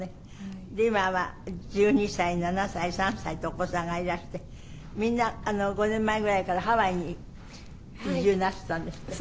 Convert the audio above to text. で今は１２歳７歳３歳とお子さんがいらしてみんな５年前ぐらいからハワイに移住なすったんですって？